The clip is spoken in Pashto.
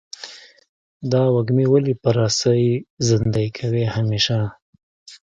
دا وږمې ولې په رسۍ زندۍ کوې همیشه؟